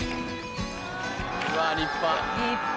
うわ立派。